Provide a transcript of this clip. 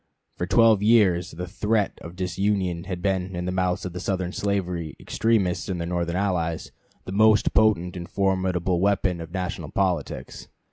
For twelve years the threat of disunion had been in the mouths of the Southern slavery extremists and their Northern allies the most potent and formidable weapon of national politics.